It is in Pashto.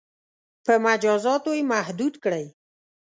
• په مجازاتو یې محدود کړئ.